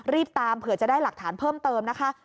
รีบตามเผื่อจะได้หลักฐานเพิ่มเติมนะคะ